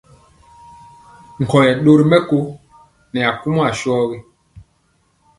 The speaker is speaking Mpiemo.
Nkɔyɛ ɗori mɛko nɛ akumɔ asɔgi.